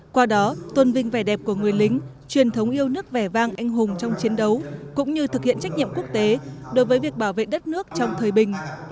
qua đó tôn vinh vẻ đẹp của người lính truyền thống yêu nước vẻ vang anh hùng trong chiến đấu cũng như thực hiện trách nhiệm quốc tế đối với việc bảo vệ đất nước trong thời bình